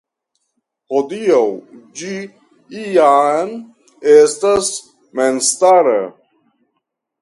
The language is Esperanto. Hodiaŭ ĝi jam estas memstara.